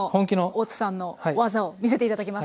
大津さんの技を見せて頂きます。